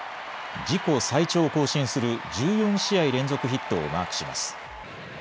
自己最長を更新する１４試合連続ヒットをマークします。